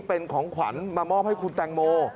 เป็นของขวัญมามอบให้คุณแตงโม